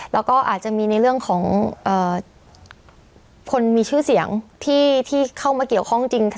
แล้วก็อาจจะมีในเรื่องของคนมีชื่อเสียงที่เข้ามาเกี่ยวข้องจริง